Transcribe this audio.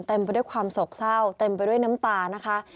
ไปด้วยความโศกเศร้าเต็มไปด้วยน้ำตานะคะ